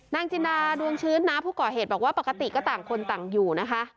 จินดาดวงชื้นน้าผู้ก่อเหตุบอกว่าปกติก็ต่างคนต่างอยู่นะคะ